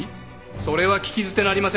それは聞き捨てなりませんね。